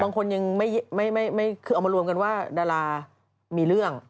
บางคนยังไม่คือเอามารวมกันว่าดารามีเรื่อง